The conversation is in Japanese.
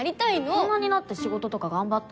大人になって仕事とか頑張ったら？